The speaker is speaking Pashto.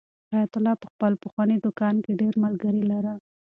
حیات الله په خپل پخواني دوکان کې ډېر ملګري لرل.